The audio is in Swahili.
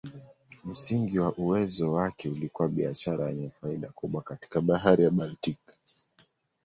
Msingi wa uwezo wake ulikuwa biashara yenye faida kubwa katika Bahari ya Baltiki.